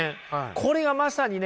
これがまさにね